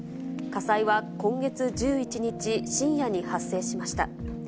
火災は今月１１日深夜に発生しました。